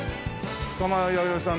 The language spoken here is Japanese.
草間彌生さん